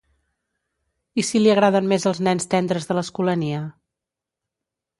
I si li agraden més els nens tendres de l'Escolania?